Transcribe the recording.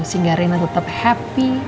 sehingga reina tetap senang